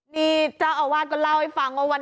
นี่เจ้าอาวาสก็เล่าให้ฟังว่าวัน